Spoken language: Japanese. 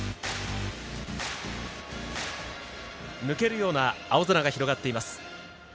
抜けるような青空が広がっています。